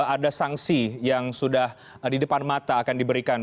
ada sanksi yang sudah di depan mata akan diberikan